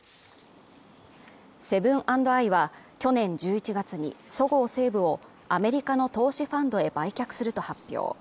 セブン＆アイは去年１１月にそごう・西武をアメリカの投資ファンドへ売却すると発表。